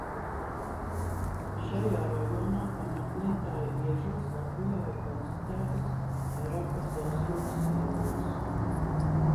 Šajā rajonā pamatklintāja iežos Latvijā ir konstatētas vairākas dzelzsrūdas iegulas.